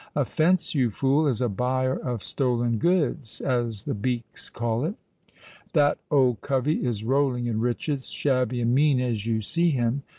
"A fence, you fool, is a buyer of stolen goods, as the beaks call it. That old covey is rolling in riches—shabby and mean as you see him.